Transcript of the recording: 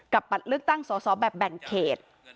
กับบัตรเลือกตั้งสอแบบแบงเคก